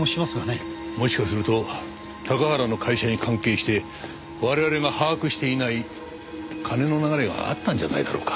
もしかすると高原の会社に関係して我々が把握していない金の流れがあったんじゃないだろうか。